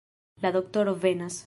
La doktoro venas!